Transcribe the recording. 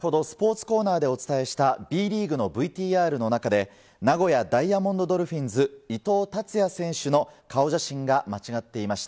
先ほど、スポーツコーナーでお伝えしたＢリーグのＶＴＲの中で、名古屋ダイヤモンドドルフィンズ、伊藤達哉選手の顔写真が間違っていました。